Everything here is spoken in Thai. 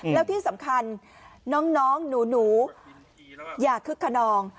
แล้วที่สำคัญน้องหนูอย่าคึกขนอง